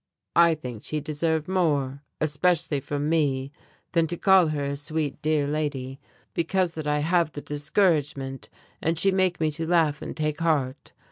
I think she deserve more especially from me than to call her a Sweet Dear Lady, because that I have the discouragement, and she make me to laugh and take heart.